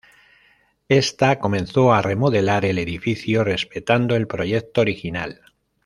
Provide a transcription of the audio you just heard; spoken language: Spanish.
Ésta comenzó a remodelar el edificio respetando el proyecto original.